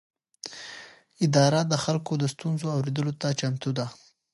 اداره د خلکو د ستونزو اورېدلو ته چمتو ده.